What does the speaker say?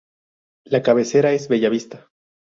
La cabecera es Bella Vista.